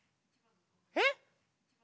えっ？